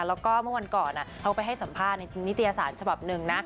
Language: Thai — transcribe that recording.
แล้วก็เมื่อวันก่อนเขาไปให้สัมภาษณ์ในนิตยสารฉบับหนึ่งนะ